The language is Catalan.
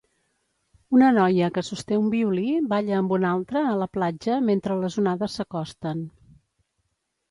Una noia que sosté un violí balla amb una altra a la platja mentre les onades s'acosten.